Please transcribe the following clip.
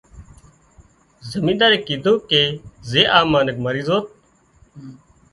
زمينۮارئي ڪيڌو ڪي زي آ منک مري زوت